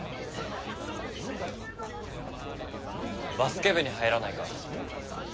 バスケ部に入らないか？